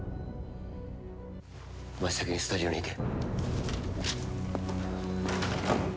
お前は先にスタジオに行け。